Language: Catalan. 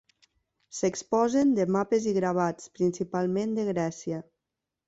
S'exposen de mapes i gravats, principalment de Grècia.